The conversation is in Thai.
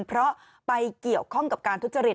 เพราะไปเกี่ยวข้องกับการทุจริต